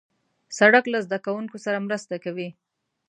سړک له زدهکوونکو سره مرسته کوي.